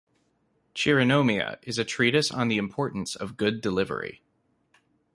"Chironomia" is a treatise on the importance of good delivery.